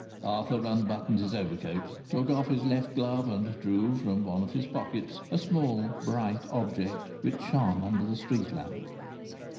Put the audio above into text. Arthur unbuttoned his overcoat, took off his left glove, and drew from one of his pockets a small, bright object, which shone under the street lamp.